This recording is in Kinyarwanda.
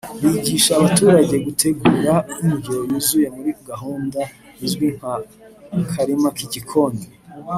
bigisha abaturage gutegura indyo yuzuye muri gahunda izwi nk’Akarima k’igikoni